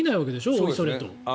おいそれと。